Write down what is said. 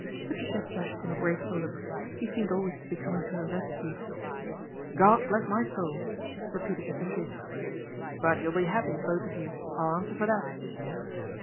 Patricia flashed him a grateful look, he seemed always to be coming to her rescue. " God bless my soul !" repeated Mr. Triggs. THE DEFECTION OF MR. TRIGGS 157 " But you'll be 'appy, both of you, I'll answer for that."